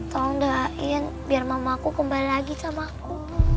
tolong doain biar mamaku kembali lagi sama aku